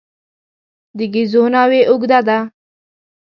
د ګېزو ناوې اوږده ده.